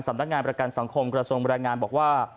สำนักงานประกันสังคมกระทรวงแรงงานบอกว่า